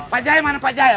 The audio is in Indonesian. pak jaya mana pak jaya